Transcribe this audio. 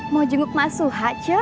mau jenguk mas suha